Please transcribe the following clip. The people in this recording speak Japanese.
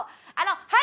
はい！